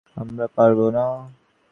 আমরা পারবো না।